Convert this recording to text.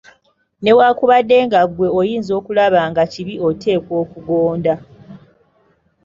Newankubadde nga ggwe oyinza okulaba nga kibi oteekwa okugonda.